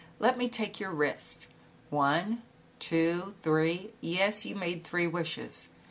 Let me take your wrist, one, two, three, yes, you made three wishes.